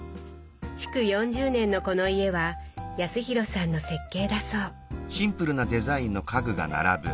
築４０年のこの家は康廣さんの設計だそう。